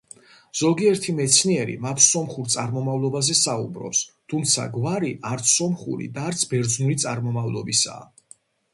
ზოგიერთი მეცნიერი, მათ სომხურ წარმომავლობაზე საუბრობს, თუმცა გვარი არც სომხური და არც ბერძნული წარმომავლობისაა.